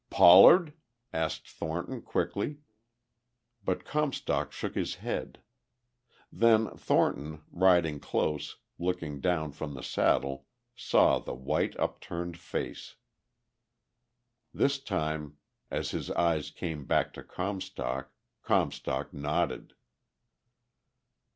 "Pollard?" asked Thornton quickly. But Comstock shook his head. Then Thornton, riding close, looking down from the saddle, saw the white upturned face. This time as his eyes came back to Comstock, Comstock nodded.